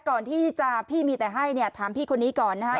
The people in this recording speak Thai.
ก่อนที่จะพี่มีแต่ให้เนี่ยถามพี่คนนี้ก่อนนะฮะ